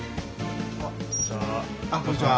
あっこんにちは。